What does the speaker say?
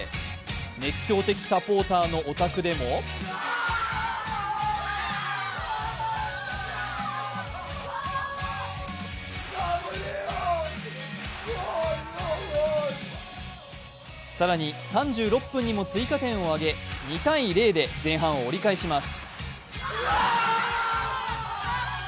熱狂的サポーターのお宅でも更に３６分にも追加点を挙げ２−０で前半を折り返します。